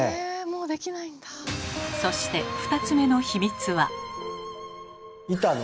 そして２つ目の秘密は。